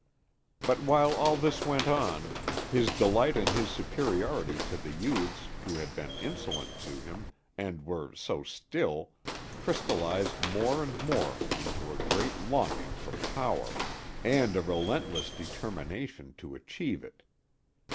But while all this went on, his delight in his superiority to the youths who had been insolent to him, and were so still, crystallized more and more into a great longing for power, and a relentless determination to achieve it.